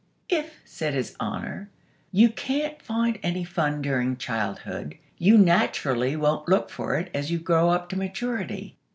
"If," said His Honor, "you can't find any fun during childhood, you naturally won't look for it as you grow up to maturity.